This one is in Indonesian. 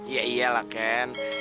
iya iyalah ken